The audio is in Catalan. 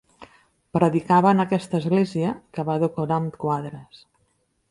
Predicava en aquesta església, que va decorar amb quadres.